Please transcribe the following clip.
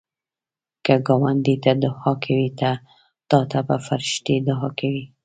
که ګاونډي ته دعا کوې، تا ته به فرښتې دعا کوي